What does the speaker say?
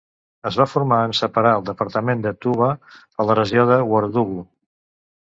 Es va formar en separar el departament de Touba de la regió Worodougou.